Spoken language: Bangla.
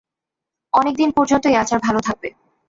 অনেক দিন পর্যন্ত এ আচার ভালো থাকবে।